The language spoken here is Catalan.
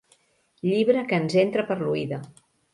Llibre que ens entra per l'oïda.